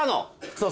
そう。